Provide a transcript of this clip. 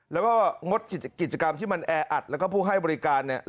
แล้วก็งดกิจกรรมที่มันแออัดแล้วก็ผู้ให้บริการเนี่ย